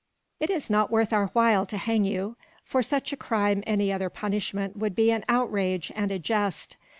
"It is not worth our while to hang you. For such a crime any other punishment would be an outrage and a jest.